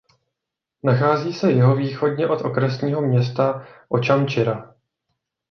Nachází se jihovýchodně od okresního města Očamčyra.